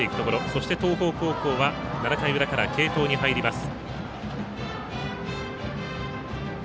そして、東邦高校は７回裏からは継投に入ります。